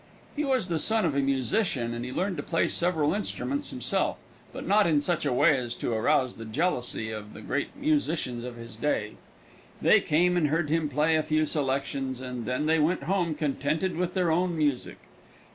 He was the son of a musician and learned to play several instruments himself, but not in such a way as to arouse the jealousy of the great musicians of his day. They came and heard him play a few selections, and then they went home contented with their own music.